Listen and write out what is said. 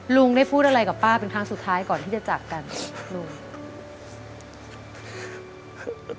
ลุงได้พูดอะไรกับป้าเป็นครั้งสุดท้ายก่อนที่จะจากกันลุง